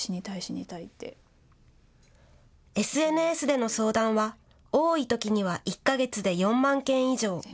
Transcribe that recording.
ＳＮＳでの相談は多いときには１か月で４万件以上。